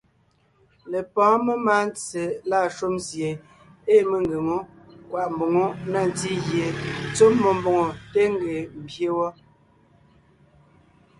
Lepɔ́ɔn memáa ntse lâ shúm sie ée mengʉ̀ŋe wó kwaʼ mboŋó na ntí gie tsɔ́ mmó mbòŋo téen ńgee ḿbyé wɔ́,